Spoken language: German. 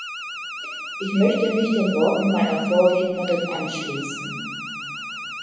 Ich möchte mich den Worten meiner Vorrednerin anschließen.